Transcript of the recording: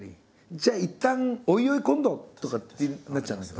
じゃあいったんおいおい今度とかってなっちゃうんだけど。